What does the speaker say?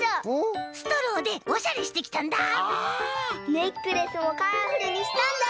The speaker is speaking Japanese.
ネックレスもカラフルにしたんだよ！